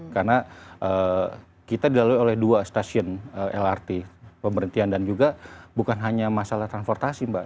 karena kita dilalui oleh dua stasiun lrt pemerintian dan juga bukan hanya masalah transportasi mbak